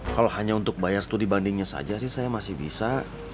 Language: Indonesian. kalau hanya untuk bayar studi bandingnya saja sih saya masih bisa